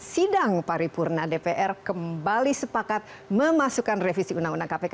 sidang paripurna dpr kembali sepakat memasukkan revisi undang undang kpk